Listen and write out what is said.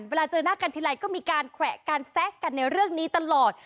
เวลาเจอหน้ากันทีไรก็มีการแขวะการแซะกันในเรื่องนี้ตลอด